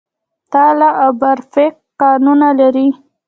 تاله او برفک کانونه لري؟